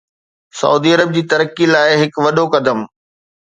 سعودي عرب جي ترقي لاء هڪ وڏو قدم